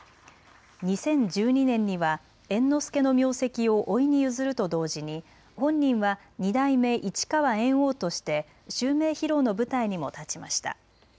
２０１２年には猿之助の名跡をおいに譲ると同時に本人は二代目市川猿翁として襲名披露の舞台にも立ちました。